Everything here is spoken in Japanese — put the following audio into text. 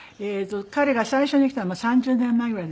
彼が最初に来たのは３０年前ぐらいですかね。